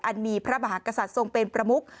มีพระมหากษัตริย์ทรงเป็นประมุก